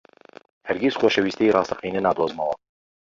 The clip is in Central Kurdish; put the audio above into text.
هەرگیز خۆشەویستیی ڕاستەقینە نادۆزمەوە.